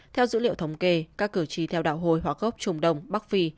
theo dữ liệu thống kê các cử tri theo đạo hồi gốc trung đông bắc phi